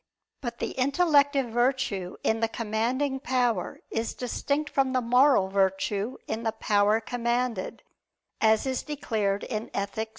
But the intellective virtue in the commanding power is distinct from the moral virtue in the power commanded, as is declared in _Ethic.